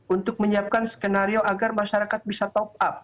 untuk menyiapkan skenario agar masyarakat bisa top up